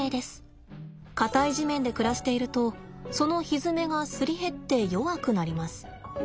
硬い地面で暮らしているとそのひづめがすり減って弱くなります。